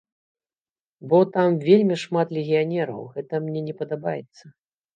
Бо там вельмі шмат легіянераў, гэта мне не падабаецца.